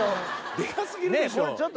デカ過ぎるでしょ。